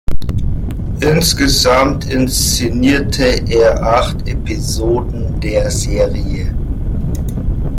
Insgesamt inszenierte er acht Episoden der Serie.